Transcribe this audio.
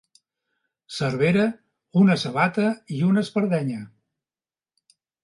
Cervera, una sabata i una espardenya.